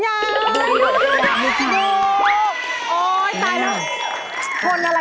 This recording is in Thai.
โอ้ยตายแล้ว